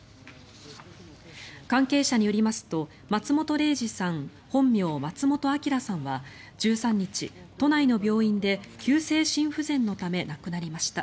関係者によりますと松本零士さん本名・松本晟さんは１３日、都内の病院で急性心不全のため亡くなりました。